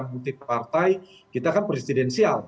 multi partai kita kan presidensial